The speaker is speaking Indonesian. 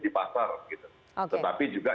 di pasar tetapi juga